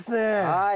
はい！